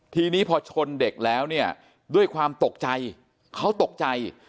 ทีนี้พอชนเด็กแล้วเนี่ยด้วยความตกใจเขาตกใจ